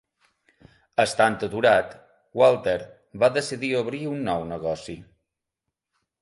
Estant aturat, Walter va decidir obrir un nou negoci.